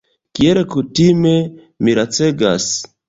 Kiel kutime, mi lacegas.